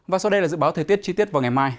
và sau đây là dự báo thời tiết chi tiết vào ngày mai